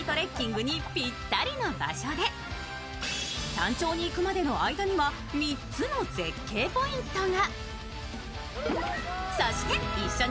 山頂に行くまでの間には３つの絶景ポイントが。